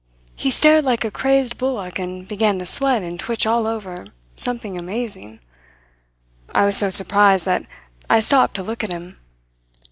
He stared like a crazed bullock and began to sweat and twitch all over, something amazing. I was so surprised, that I stopped to look at him.